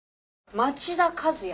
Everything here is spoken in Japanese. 町田和也？